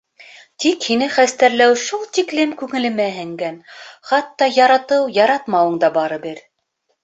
Тик һине хәстәрләү шул тиклем күңелемә һеңгән, хатта яратыу-яратмауың да барыбер.